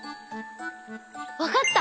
わかった！